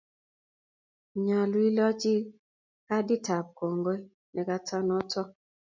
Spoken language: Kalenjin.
Nyolu ialchi kadit ab kongoi nekato notok